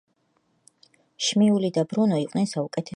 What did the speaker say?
შმეული და ბრუნო იყვნენ საუკეთესო მეგობრები